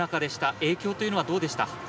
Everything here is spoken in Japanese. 影響というのはどうでした？